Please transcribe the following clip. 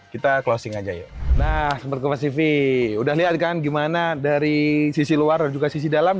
kita closing aja yuk nah sivi udah lihat kan gimana dari sisi luar dan juga sisi dalam